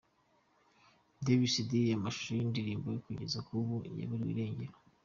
Davis D amashusho y'indirimbo ye kugeza ubu yaburiwe irengero .